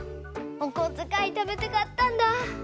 おこづかいためてかったんだ！